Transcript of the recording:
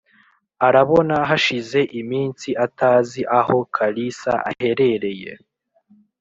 arabona hashize iminsi atazi aho kalisa aherereye